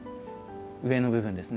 上の部分ですね。